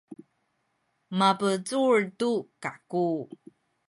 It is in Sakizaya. mabecul tu kaku.